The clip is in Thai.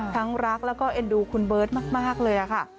ทั้งรักแล้วก็เอ็นดูคุณเบิร์ตมากเลยค่ะ